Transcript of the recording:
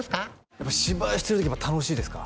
やっぱ芝居してる時楽しいですか？